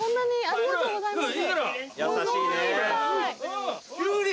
ありがとうございます。